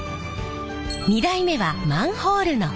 ２代目はマンホールの蓋。